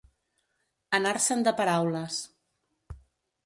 Anar-se'n de paraules.